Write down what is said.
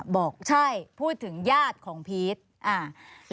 บอกใช่พูดถึงญาติของพีชอ่า